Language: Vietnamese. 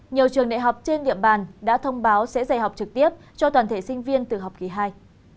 nhiều trường đại học trên địa bàn đã thông báo sẽ dạy học trực tiếp cho toàn thể sinh viên từ học kỳ hai